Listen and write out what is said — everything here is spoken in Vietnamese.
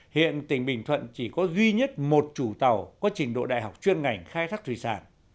hiện tỉnh bình thuận chỉ có duy nhất một chủ tàu có trình độ đại học chuyên ngành khai thác thủy sản